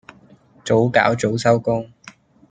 早搞早收工